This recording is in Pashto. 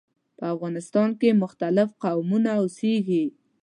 په افغانستان کې مختلف قومونه اوسیږي.